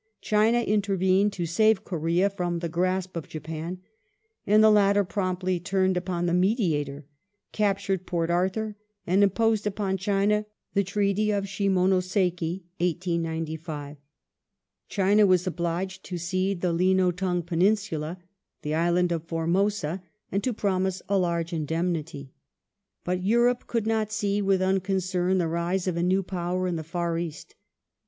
China intervened to save Korea from the grasp of ^^"^^^^ Japan, and the latter promptly turned upon the mediator, captured Port Arthur, and imposed upon China the treaty of Shimonoseki (1895). China was obliged to cede the Lino Tung peninsula, the island of Formosa, and to promise a large indemnity. But Europe could not see with unconcern the rise of a new Power in the Far East.